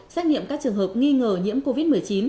xét nghiệm các trường hợp nghi ngờ nhiễm covid một mươi chín